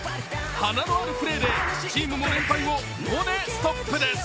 華のあるプレーでチームも連敗も５でストップです。